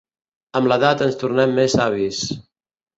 Amb l'edat ens tornem més savis.